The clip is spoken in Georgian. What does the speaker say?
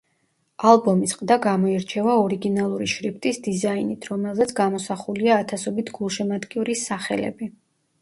ალბომის ყდა გამოირჩევა ორიგინალური შრიფტის დიზაინით, რომელზეც გამოსახულია ათასობით გულშემატკივრის სახელები.